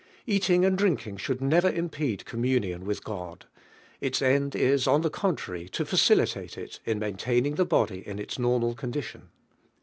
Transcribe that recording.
Eating and drinking should never impede communion with God; its end is, on the contrary, to facililate it in maintaining the body in its normal condition.